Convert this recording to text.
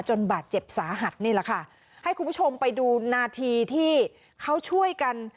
บาดเจ็บสาหัสนี่แหละค่ะให้คุณผู้ชมไปดูนาทีที่เขาช่วยกัน